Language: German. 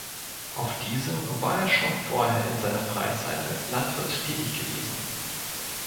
Auf diesem war er schon vorher in seiner Freizeit als Landwirt tätig gewesen.